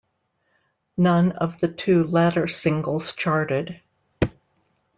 None of the two latter singles charted.